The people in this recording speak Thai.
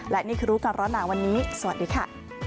และนี่คือรู้ก่อนร้อนหนาวันนี้สวัสดีค่ะ